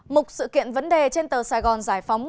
mục sự kiện vấn đề trên tờ sài gòn giải phóng